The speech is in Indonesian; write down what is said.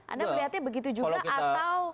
anda melihatnya begitu juga atau